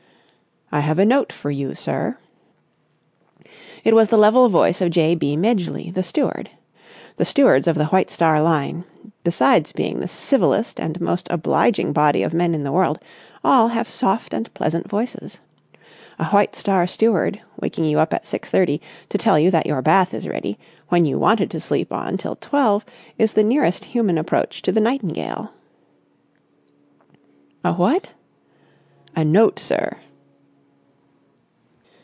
"I have a note for you, sir." It was the level voice of J. B. Midgeley, the steward. The stewards of the White Star Line, besides being the civillest and most obliging body of men in the world, all have soft and pleasant voices. A White Star steward, waking you up at six thirty, to tell you that your bath is ready, when you wanted to sleep on till twelve, is the nearest human approach to the nightingale. "A what?" "A note, sir."